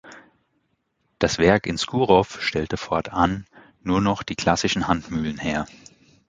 Das Werk in Skuhrov stellte fortan nur noch die klassischen Handmühlen her.